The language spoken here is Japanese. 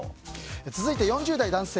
続いて４０代男性。